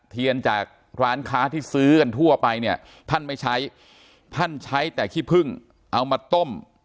เทียนจากร้านค้าที่ซื้อกันทั่วไปเนี่ยท่านไม่ใช้ท่านใช้แต่ขี้พึ่งเอามาต้ม